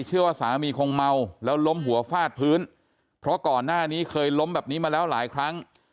เชื่อว่าสามีคงเมาแล้วล้มหัวฟาดพื้นเพราะก่อนหน้านี้เคยล้มแบบนี้มาแล้วหลายครั้ง